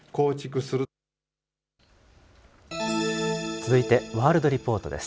続いてワールドリポートです。